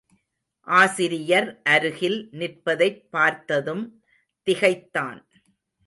ஆசிரியர் அருகில் நிற்பதைப் பார்த்ததும் திகைத்தான்.